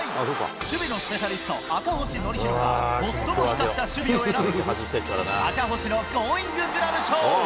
守備のスペシャリスト、赤星憲広が最も光った守備を選ぶ、赤星のゴーインググラブ賞。